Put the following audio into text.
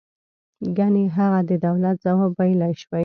گني هغه د دولت ځواب ویلای شوی.